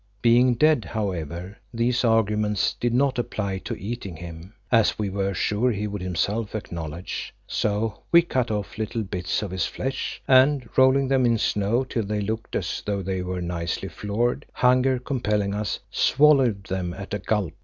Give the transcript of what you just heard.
Being dead, however, these arguments did not apply to eating him, as we were sure he would himself acknowledge. So we cut off little bits of his flesh and, rolling them in snow till they looked as though they were nicely floured, hunger compelling us, swallowed them at a gulp.